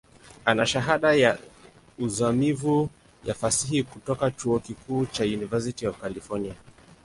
Ana Shahada ya uzamivu ya Fasihi kutoka chuo kikuu cha University of California.